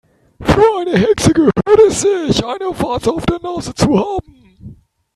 Für eine Hexe gehört es sich, eine Warze auf der Nase zu haben.